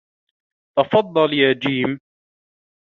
تفضّل يا جيم.